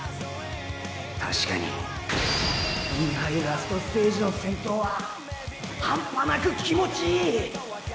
確かにインハイラストステージの先頭はハンパなく気持ちいい。